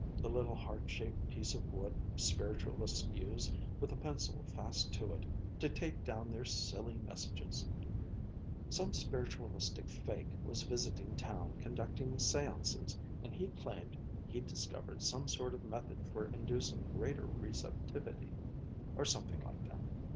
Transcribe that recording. The little heart shaped piece of wood spiritualists use, with a pencil fast to it, to take down their silly 'messages,' Some spiritualistic fake was visiting town conducting séances and he claimed he'd discovered some sort of method for inducing greater receptivity or something like that.